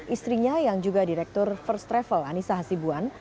istrinya yang juga direktur first travel anissa hasibuan